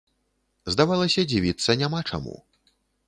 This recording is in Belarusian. Здавалася, дзівіцца няма чаму.